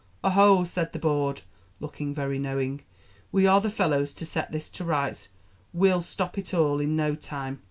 'Oho!' said the board, looking very knowing, 'we are the fellows to set this to rights; we'll stop it all, in no time.'